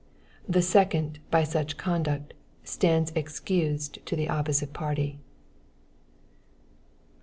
The second, by such conduct, stands excused to the opposite party.